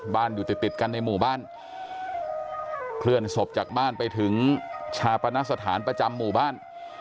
อยู่ติดติดกันในหมู่บ้านเคลื่อนศพจากบ้านไปถึงชาปนสถานประจำหมู่บ้าน